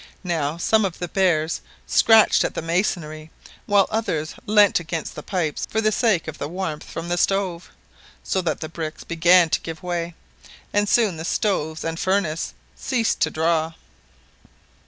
Now some of the bears scratched at the masonry, whilst others leant against the pipes for the sake of the warmth from the stove; so that the bricks began to give way, and soon the stoves and furnace ceased to draw.